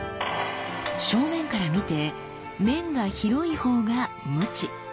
正面から見て面が広いほうがムチ。